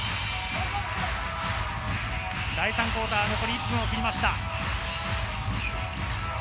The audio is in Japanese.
第３クオーター、残り１分を切りました。